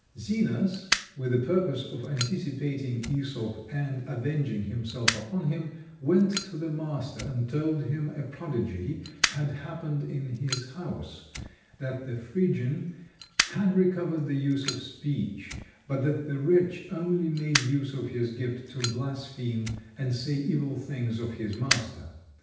Zenas, with the purpose of anticipating Æsop and avenging himself upon him, went to the master and told him a prodigy had happened in his house that the Phrygian had recovered the use of speech, but that the wretch only made use of his gift to blaspheme and say evil things of his master.